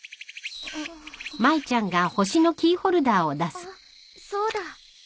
あっそうだ。